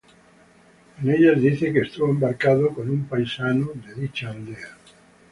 En ellas dice que estuvo embarcado con un paisano de dicha aldea.